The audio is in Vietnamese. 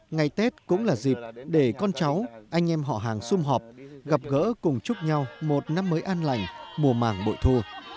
ngày tết cũng là dịp để con cháu anh em họ hàng xung họp gặp gỡ cùng chúc nhau một năm mới an lành mùa màng bội thu